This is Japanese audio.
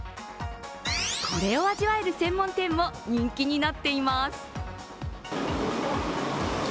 これを味わえる専門店も人気になっています。